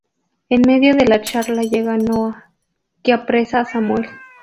En medio de la charla llega Noah, que apresa a Samuel.